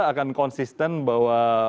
akan konsisten bahwa